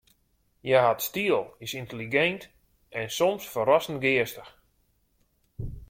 Hja hat styl, is yntelligint en soms ferrassend geastich.